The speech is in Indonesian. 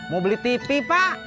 mau beli tv pak